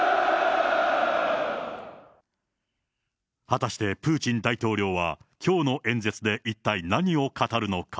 果たしてプーチン大統領はきょうの演説で一体何を語るのか。